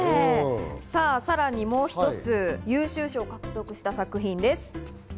さらにもう一つ、優秀賞を獲得した作品です。